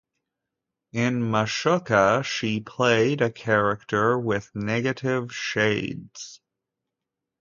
In "Mashooka", she played a character with negative shades.